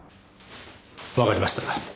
わかりました。